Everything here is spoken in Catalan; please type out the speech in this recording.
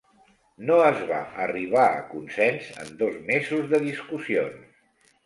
No es va arribar a consens en dos mesos de discussions.